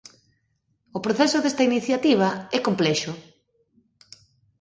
O proceso desta iniciativa é complexo.